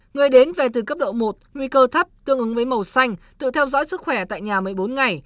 người đến về từ cấp độ một nguy cơ thấp tương ứng với màu xanh tự theo dõi sức khỏe tại nhà một mươi bốn ngày